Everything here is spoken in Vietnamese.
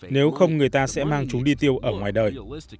nếu không người ta sẽ mang chúng đi tiêu ở ngoài đời